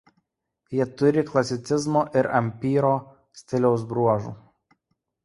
Jie turi klasicizmo ir ampyro stiliaus bruožų.